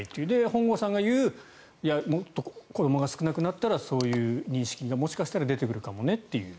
本郷さんが言うもっと子どもが少なくなったらそういう認識がもしかしたら出てくるかもねっていう。